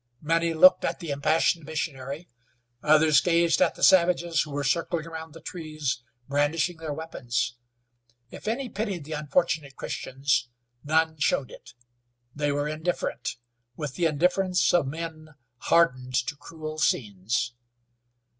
Many looked at the impassioned missionary; others gazed at the savages who were circling around the trees brandishing their weapons. If any pitied the unfortunate Christians, none showed it. They were indifferent, with the indifference of men hardened to cruel scenes.